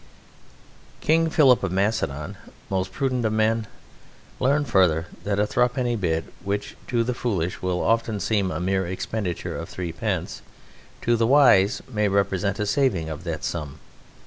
"King Philip of Macedon, most prudent of men, learn further that a thruppenny bit, which to the foolish will often seem a mere expenditure of threepence, to the wise may represent a saving of that sum.